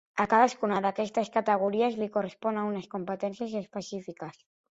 A cadascuna d'aquestes categories li corresponen unes competències específiques.